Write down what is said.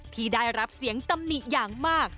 ที่ได้รับเสียงตำหนิอย่างมาก